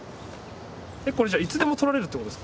これじゃあいつでも撮られるってことですか？